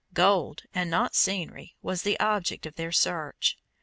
Gold, and not scenery, was the object of their search.